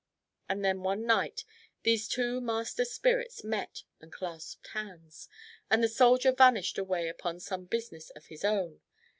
And then one night these two master spirits met and clasped hands, and the soldier vanished away upon some business of his own.